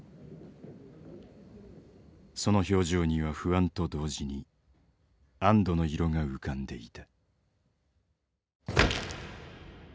その表情には不安と同時に安堵の色が浮かんでいた。